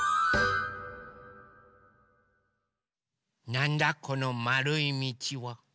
なんだこのまるいみちは？